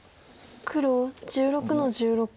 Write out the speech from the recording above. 黒１６の十六。